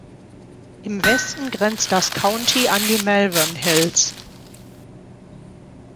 Im Westen grenzt das County an die Malvern Hills.